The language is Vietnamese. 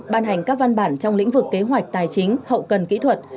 ban hành các văn bản trong lĩnh vực kế hoạch tài chính hậu cần kỹ thuật